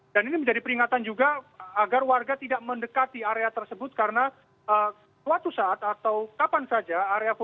dan ini menjadi peringatan juga agar warga tidak mendekati area tersebut karena suatu saat atau kapan saja